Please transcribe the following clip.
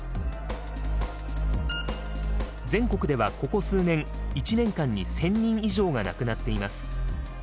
全国ではここ数年１年間に１，０００人以上が亡くなっています。